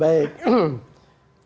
baik yang sudah terjerat